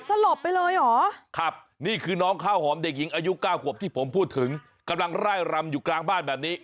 สลบไปเลยเหรอครับนี่คือน้องข้าวหอมเด็กหญิงอายุเก้าขวบที่ผมพูดถึงกำลังไล่รำอยู่กลางบ้านแบบนี้